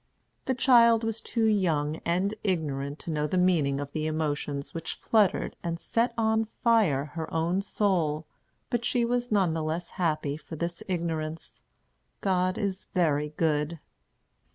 The child was too young and ignorant to know the meaning of the emotions which fluttered and set on fire her own soul, but she was none the less happy for this ignorance. God is very good!